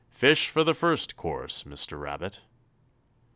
Fish for the first course, Mr. Rabbit!"